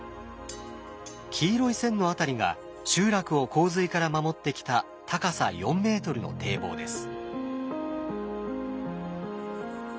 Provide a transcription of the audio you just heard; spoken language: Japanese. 黄色い線の辺りが集落を洪水から守ってきた高さ４ｍの堤防です。